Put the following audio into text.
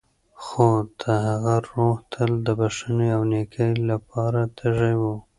خو د هغه روح تل د بښنې او نېکۍ لپاره تږی و.